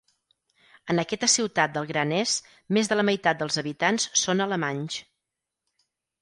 En aquesta ciutat del Gran Est més de la meitat dels habitants són alemanys.